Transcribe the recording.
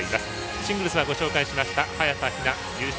シングルスはご紹介しました早田ひな、優勝。